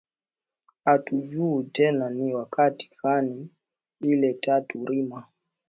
Atu jue tena ni wakati kani ile tuta rima